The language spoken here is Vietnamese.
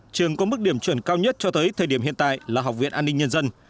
trường có mức điểm chuẩn cao nhất cho tới thời điểm hiện tại là học viện an ninh nhân dân